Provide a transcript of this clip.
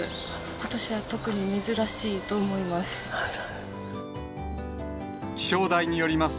ことしは特に珍しいと思います。